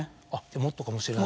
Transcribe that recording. もっとかもしれない？